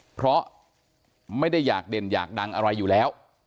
เพราะไม่ได้อยากเด่นอยากดังอะไรอยู่แล้ว